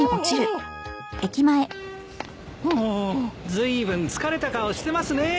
・ずいぶん疲れた顔してますね。